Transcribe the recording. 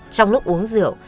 trong lúc uống rượu